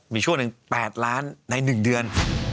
มีช่วงหนึ่ง๘ล้านใน๑เดือน